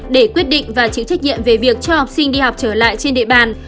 để quyết định và chịu trách nhiệm về việc cho học sinh đi học trở lại trên địa bàn